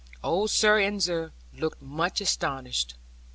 Old Sir Ensor looked much astonished.